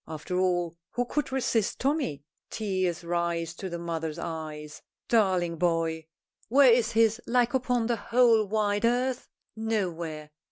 After all, who could resist Tommy? Tears rise to the mother's eyes. Darling boy! Where is his like upon the whole wide earth? Nowhere.